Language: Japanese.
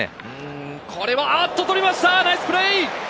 これは捕りました、ナイスプレー！